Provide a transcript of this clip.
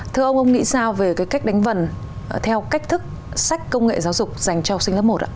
thưa ông ông nghĩ sao về cái cách đánh vần theo cách thức sách công nghệ giáo dục dành cho học sinh lớp một ạ